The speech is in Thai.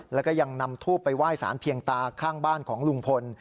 แล้วก็ยังนำทูบไปไหว้สารเพียงตาข้างบ้านของลุงพล